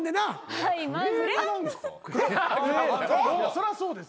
そりゃそうです。